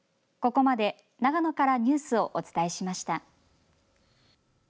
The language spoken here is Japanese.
ここまで長野からニュースをお伝えしました。